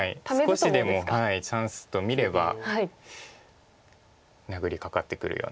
少しでもチャンスと見れば殴りかかってくるような。